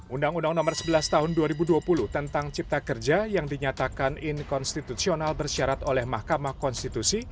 undang undang nomor sebelas tahun dua ribu dua puluh tentang cipta kerja yang dinyatakan inkonstitusional bersyarat oleh mahkamah konstitusi